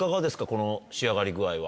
この仕上がり具合は。